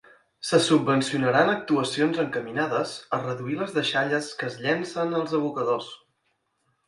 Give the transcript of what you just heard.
Se subvencionaran actuacions encaminades a reduir les deixalles que es llencen als abocadors.